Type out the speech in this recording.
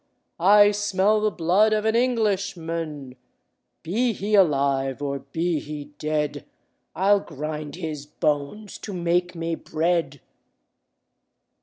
I smell the blood of an Englishman; Be he alive or be he dead I'll grind his bones to make me bread."